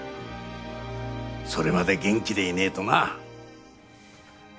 それまで元気でいねえとな。